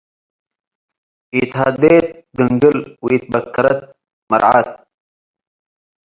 ኢትሀዴት ድንግል ወኢትበከረት መርዓት።